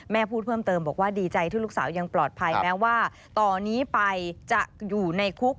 พูดเพิ่มเติมบอกว่าดีใจที่ลูกสาวยังปลอดภัยแม้ว่าต่อนี้ไปจะอยู่ในคุก